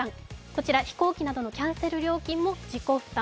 こちら飛行機などのキャンセル料金も自己負担。